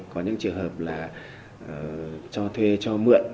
có những trường hợp là cho thuê cho mượn